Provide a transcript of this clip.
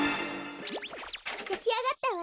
やきあがったわ。